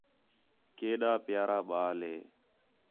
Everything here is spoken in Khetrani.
کیݙا پیارا ٻال ہے